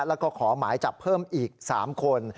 แล้วก็ขอหมายจับเพิ่มอีก๓คน